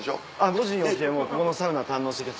５時に起きてもうここのサウナ堪能してきて。